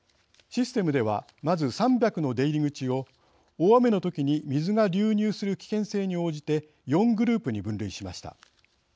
システムではまず３００の出入り口を大雨の時に水が流入する危険性に応じて４グループに分類しました。